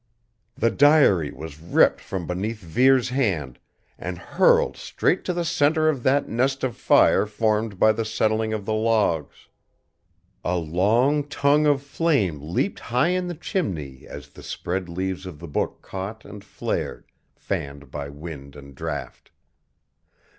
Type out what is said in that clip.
The diary was ripped from beneath Vere's hand and hurled straight to the center of that nest of fire formed by the settling of the logs. A long tongue of flame leaped high in the chimney as the spread leaves of the book caught and flared, fanned by wind and draft.